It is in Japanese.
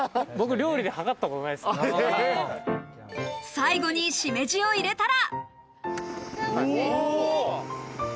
最後に、しめじを入れたら。